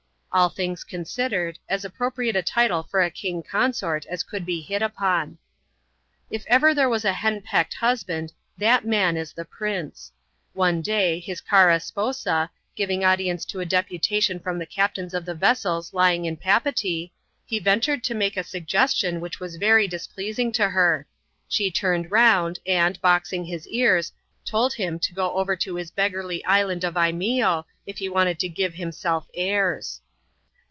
All things eonsidered, as appropriate a title for a king consort as could be hit upon. K ever there was a hen pecked husband, that man is the prmcB. One day, his csum ^^sas ^vvn^ audience to a dqpn tation from the captaiaa o£ t\L^ n^^^^«» \f«i%'\a.^^^a^«S«^ Wi CBAP. I.XXX.] QUEEN POMAREE. Tentured to make a suggestion which was very displeasing to her. She turned round, and, boxing his ears, told him to go over to his beggarly ishmd of Imeeo, if he wanted to give himself airs.